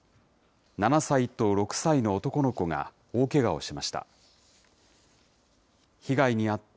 ７歳と６歳の男の子が大けがをしました。